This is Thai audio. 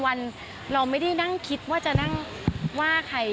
วันเราไม่ได้นั่งคิดว่าจะนั่งว่าใคร